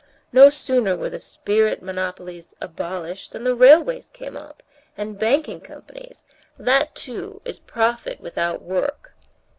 No sooner were the spirit monopolies abolished than the railways came up, and banking companies; that, too, is profit without work."